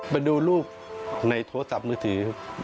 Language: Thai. ไปดูรูปในโทรศัพท์มือถือ